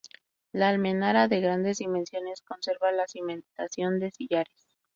La almenara, de grandes dimensiones, conserva la cimentación de sillares.